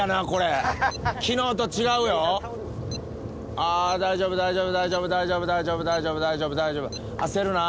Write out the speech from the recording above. あ大丈夫大丈夫大丈夫大丈夫焦るな。